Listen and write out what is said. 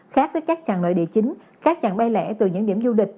khác với các chặng nội địa chính các trạng bay lẻ từ những điểm du lịch